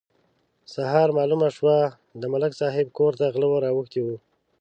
سهار مالومه شوه: د ملک صاحب کور ته غله ور اوښتي وو.